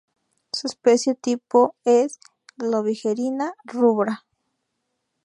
Su especie tipo es "Globigerina rubra".